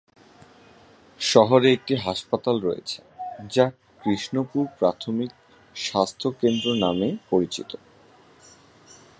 শহরে একটি হাসপাতাল রয়েছে, যা কৃষ্ণপুর প্রাথমিক স্বাস্থ্য কেন্দ্র নামে পরিচিত।